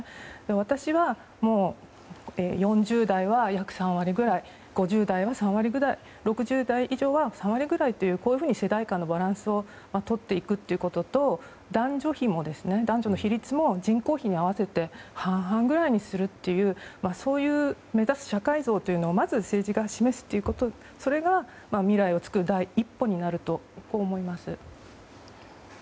私はもう４０代は約３割くらい５０代は３割くらい６０代以上３割という感じで世代間のバランスをとっていくことと男女比も人口比に合わせて半々ぐらいにするという目指す社会像をまず政治が示すということが未来を作る第一歩になると思います。